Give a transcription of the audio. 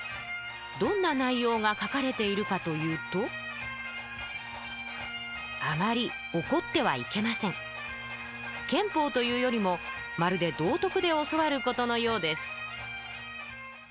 どんな内容が書かれているかというと憲法というよりもまるで道徳で教わることのようです